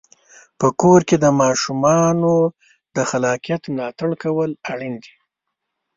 په کورنۍ کې د ماشومانو د خلاقیت ملاتړ کول اړین دی.